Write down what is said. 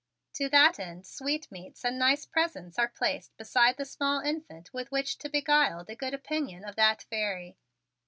To that end sweetmeats and nice presents are placed beside the small infant with which to beguile the good opinion of that fairy.